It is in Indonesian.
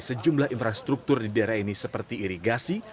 sejumlah infrastruktur di daerah ini seperti irigasi